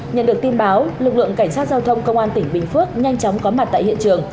nhận được tin báo lực lượng cảnh sát giao thông công an tỉnh bình phước nhanh chóng có mặt tại hiện trường